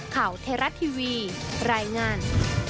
ข่าวเทราะทีวีรายงาน